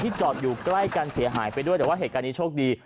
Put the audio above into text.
จอดอยู่ใกล้กันเสียหายไปด้วยแต่ว่าเหตุการณ์นี้โชคดี